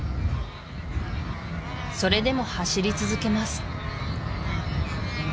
それでも走り続けます